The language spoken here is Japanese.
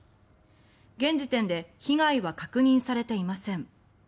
現時点で被害は確認されていません。